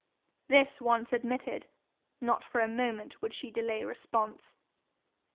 This once admitted, not for a moment would she delay response.